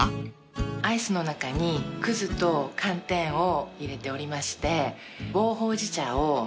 アイスの中に葛と寒天を入れておりまして。